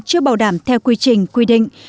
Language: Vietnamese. chưa bảo đảm theo quy trình quy định